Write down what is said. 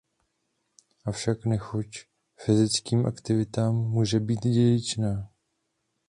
Avšak nechuť k fyzickým aktivitám může být dědičná.